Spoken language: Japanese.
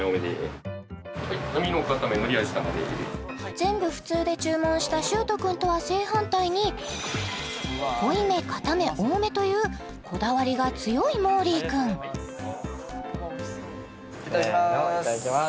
全部普通で注文したしゅーと君とは正反対に濃いめ硬め多めというこだわりが強いもーりー君いただきまーすせーのいただきます